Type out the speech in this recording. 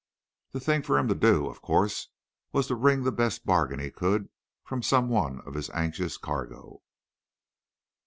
The thing for him to do, of course, was to wring the best bargain he could from some one of his anxious cargo.